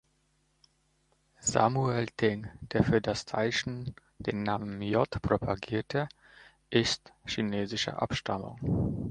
Samuel Ting, der für das Teilchen den Namen „J“ propagierte, ist chinesischer Abstammung.